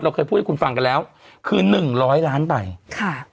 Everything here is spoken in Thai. เคยพูดให้คุณฟังกันแล้วคือหนึ่งร้อยล้านใบค่ะ